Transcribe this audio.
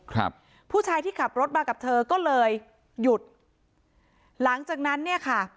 ครับผู้ชายที่ขับรถมากับเธอก็เลยหยุดหลังจากนั้นเนี่ยค่ะ